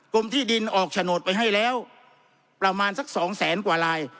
ที่ดินออกโฉนดไปให้แล้วประมาณสักสองแสนกว่าลาย